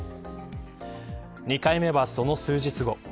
２回目はその数日後。